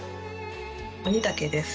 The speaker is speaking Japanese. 鬼岳です。